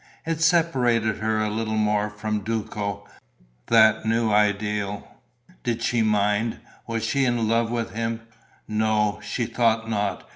It separated her a little more from Duco, that new ideal. Did she mind? Was she in love with him? No, she thought not.